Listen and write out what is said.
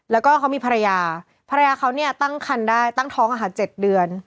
แล้วก็เขามีภรรยาภรรยาเขาเนี่ยตั้งคันได้ตั้งท้องอาหาร๗เดือน